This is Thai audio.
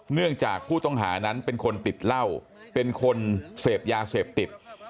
เนื่องจากผู้ต้องหานั้นเป็นคนติดเหล้าเป็นคนเสพยาเสพติด